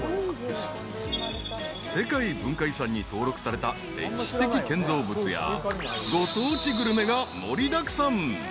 ［世界文化遺産に登録された歴史的建造物やご当地グルメが盛りだくさん］